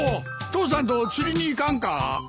父さんと釣りに行かんか？